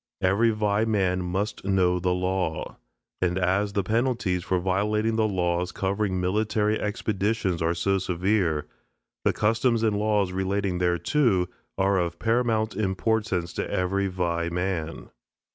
Every Vai man must know the law. And as the penalties for violating the laws covering military expeditions are so severe, the customs and laws relating thereto are of paramount importance to every Vai man.